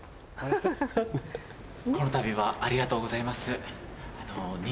このたびはありがとうございます。